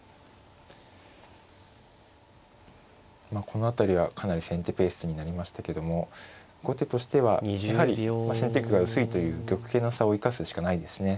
この辺りはかなり先手ペースになりましたけども後手としてはやはり先手玉が薄いという玉形の差を生かすしかないですね。